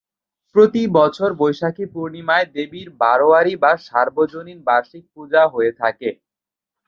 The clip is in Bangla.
প্রতি বছর বৈশাখী পূর্ণিমায় দেবীর বারোয়ারি বা সার্বজনীন বার্ষিক পূজা হয়ে থাকে।